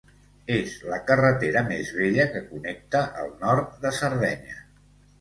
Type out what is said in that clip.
És la carretera més vella que connecta el nord de Sardenya.